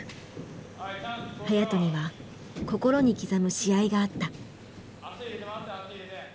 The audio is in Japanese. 颯人には心に刻む試合があった。